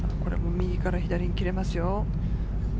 右から左に切れますよ。